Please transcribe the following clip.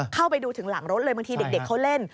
เข้าไปดูถึงหลังรถเลยบางทีเด็กเขาเล่น